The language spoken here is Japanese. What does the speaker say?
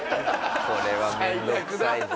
これは面倒くさいぞ。